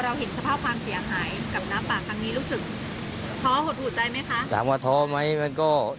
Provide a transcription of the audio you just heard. พอเราเห็นสถาบันความเสียหายกับน้ำปากทางนี้รู้สึกท้อหดหวุดใจไหมคะถามว่าท้อมั้ยมันก็